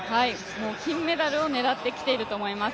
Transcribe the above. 金メダルを狙ってきていると思います。